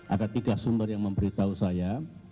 ada tiga sumber yang memberitahu saya